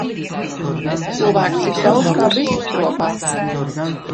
Cilvēku tik daudz kā bišu stropā.